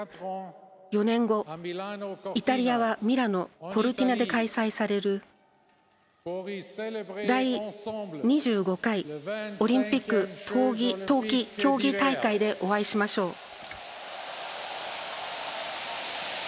４年後、イタリアのミラノ・コルティナで開催される第２５回オリンピック冬季競技大会でお会いしましょう。